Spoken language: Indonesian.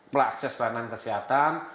pelakses peranan kesehatan